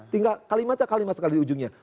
tinggal kalimatnya kalimat sekali di ujungnya